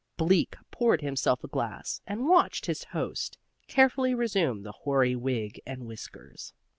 Bleak poured himself a glass, and watched his host carefully resume the hoary wig and whiskers.